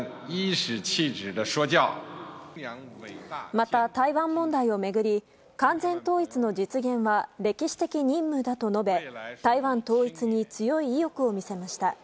また台湾問題を巡り完全統一の実現は歴史的任務だと述べ台湾統一に強い意欲を見せました。